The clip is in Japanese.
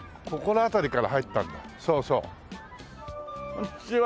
こんにちは。